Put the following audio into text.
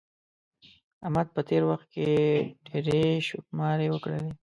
احمد په تېر وخت کې ډېرې شوکماری وکړلې.